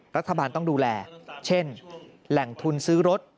รัฐบาลต้องดูแลเช่นแหล่งทุนซื้อรถ